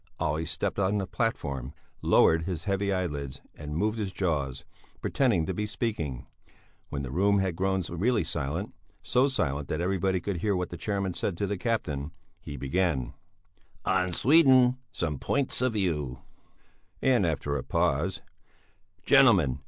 Olle stepped on the platform, lowered his heavy eyelids and moved his jaws, pretending to be speaking; when the room had grown really silent, so silent that everybody could hear what the chairman said to the captain, he began: "On Sweden. Some points of view." And after a pause: "Gentlemen!